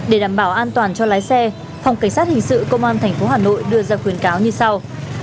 để đảm bảo an toàn cho lái xe phòng cảnh sát hình sự công an tp hà nội đưa ra khuyến cáo như sau